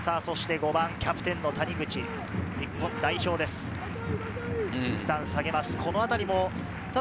５番はキャプテンの谷口、日本代表です。